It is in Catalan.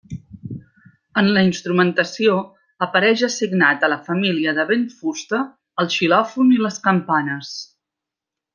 En la instrumentació apareix assignat a la família de vent-fusta, el xilòfon i les campanes.